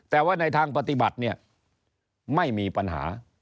แต่ว่าในทางปฏิบัติเนี่ยไม่มีปัญหา